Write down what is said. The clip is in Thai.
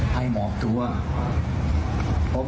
ให้หมอบทวง